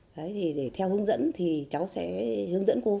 đấy thì theo hướng dẫn thì cháu sẽ hướng dẫn cô